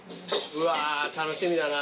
うわ楽しみだな。